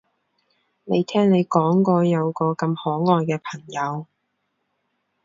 未聽你講過有個咁可愛嘅朋友